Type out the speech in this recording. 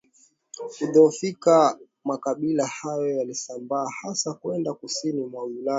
Kudhoofika makabila hayo yalisambaa hasa kwenda kusini mwa Ulaya